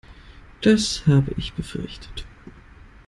Das habe ich befürchtet.